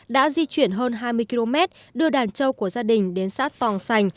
đã di chuyển hơn hai mươi km đưa đàn trâu của gia đình đến sát tòng xanh